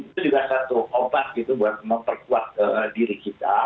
itu juga satu obat gitu buat memperkuat diri kita